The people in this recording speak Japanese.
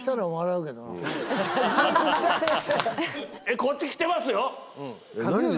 えっこっち来てますよ。